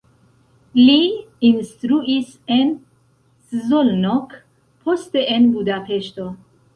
Li instruis en Szolnok, poste en Budapeŝto.